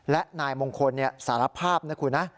และนายมงคลสารภาพนะคุณนะ